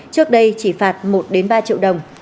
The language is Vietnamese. trước đây chỉ phạt một đến ba triệu đồng